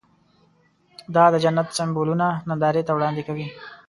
دا د جنت سمبولونه نندارې ته وړاندې کوي.